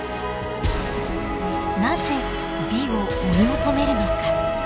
なぜ美を追い求めるのか。